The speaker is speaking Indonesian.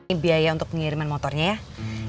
ini biaya untuk pengiriman motornya ya